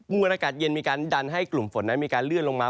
วนอากาศเย็นมีการดันให้กลุ่มฝนนั้นมีการเลื่อนลงมา